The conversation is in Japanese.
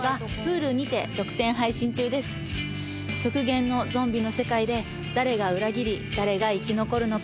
極限のゾンビの世界で誰が裏切り誰が生き残るのか？